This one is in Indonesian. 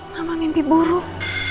mama mimpi buruk